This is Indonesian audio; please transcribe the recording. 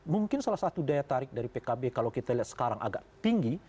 mungkin salah satu daya tarik dari pkb kalau kita lihat sekarang agak tinggi